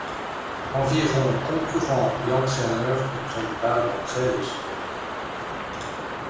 Environ concurrents et entraîneurs y prennent part dans treize sports.